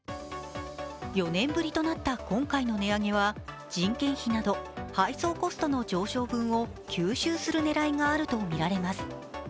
４年ぶりとなった、今回の値上げは人件費など配送コストの上昇分を吸収する狙いがあるとみられます。